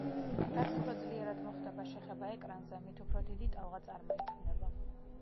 რაც უფრო ძლიერად მოხდება შეხება ეკრანზე, მით უფრო დიდი ტალღა წარმოიქმნება.